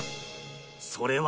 それは